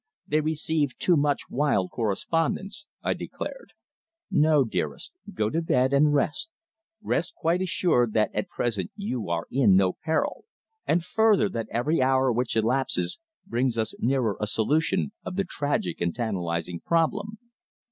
They receive too much wild correspondence," I declared. "No, dearest, go to bed and rest rest quite assured that at present you are in no peril, and, further, that every hour which elapses brings us nearer a solution of the tragic and tantalising problem.